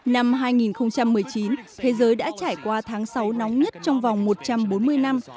năm hai nghìn một mươi chín thế giới đã trải qua tháng sáu nóng nhất trong vòng một trăm bốn mươi năm